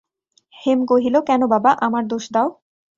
হেম কহিল, কেন বাবা আমার দোষ দাও?